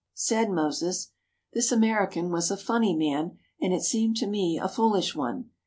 Said Moses: "This American was a funny man, and it seemed to me a foolish one.